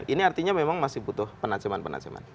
ini artinya memang masih butuh penaceman penaceman